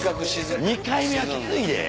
２回目はきついで。